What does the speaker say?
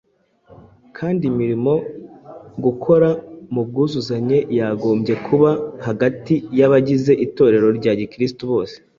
kandi irimo gukora mu bwuzuzanye yagombye kuba hagati y’abagize itorero rya gikristo bose